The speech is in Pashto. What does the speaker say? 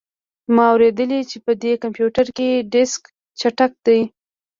ما اوریدلي چې په دې کمپیوټر کې ډیسک چټک دی